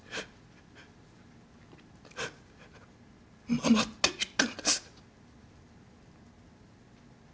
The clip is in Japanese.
ママって言ったんです。